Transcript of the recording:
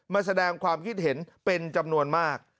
มาแสดงความคิดเห็นเป็นจำนวนมาก